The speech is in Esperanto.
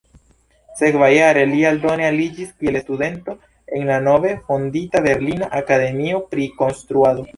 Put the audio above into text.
Sekvajare li aldone aliĝis kiel studento en la nove fondita Berlina Akademio pri Konstruado.